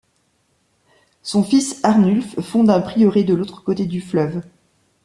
Son fils Arnulf fonde un prieuré de l'autre côté du fleuve.